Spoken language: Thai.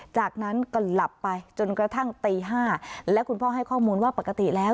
จากนั้นก็หลับไปจนกระทั่งตีห้าและคุณพ่อให้ข้อมูลว่าปกติแล้ว